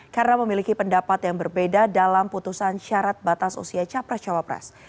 karena memiliki pendapat yang berbeda dalam putusan syarat batas usia capres cawapres